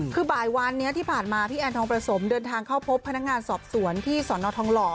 คือบ่ายวานนี้ที่ผ่านมาพี่แอนทองประสมเดินทางเข้าพบพนักงานสอบสวนที่สนทองหล่อ